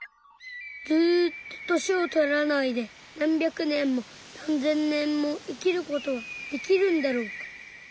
ずっと年をとらないで何百年も何千年も生きる事はできるんだろうか。